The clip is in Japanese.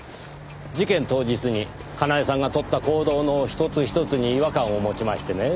事件当日にかなえさんがとった行動の一つ一つに違和感を持ちましてね。